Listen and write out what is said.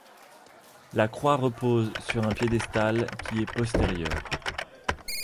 La croix repose sur un piédestal qui est postérieur.